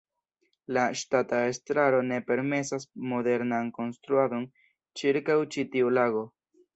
La ŝtata estraro ne permesas modernan konstruadon ĉirkaŭ ĉi tiu lago.